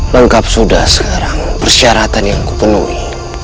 lengkap sudah sekarang persyaratan yang kupunui